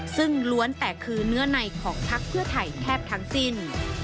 ซึ่งล้วนแต่คือเนื้อในของพักเพื่อไทยแทบทั้งสิ้น